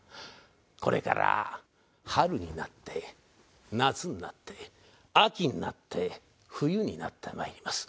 これから春になって夏になって秋になって冬になってまいります。